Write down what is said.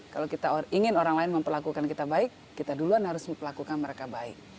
kalau kita ingin orang lain memperlakukan kita baik kita duluan harus memperlakukan mereka baik